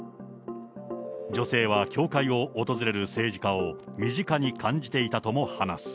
女性は教会を訪れる政治家を身近に感じていたとも話す。